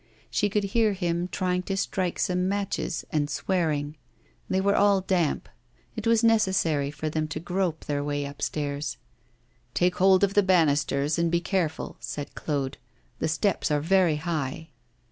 She could hear him trying to strike some matches, and swearing. They were all damp. It was necessary for them to grope their way upstairs. 'Take hold of the banisters, and be careful,' said Claude; 'the steps are very high.